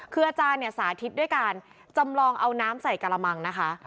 คืออาจารย์เนี่ยสาธิตด้วยการจำลองเอาน้ำใส่กระมังนะคะ